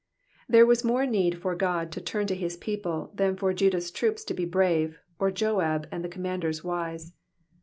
There was more need for God to turn to his people than for Jndah's troops to be brave, or Joab and the commanders wise.